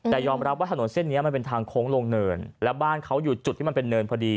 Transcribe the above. แต่ยอมรับว่าถนนเส้นนี้มันเป็นทางโค้งลงเนินแล้วบ้านเขาอยู่จุดที่มันเป็นเนินพอดี